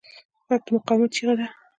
غږ د مقاومت چیغه ده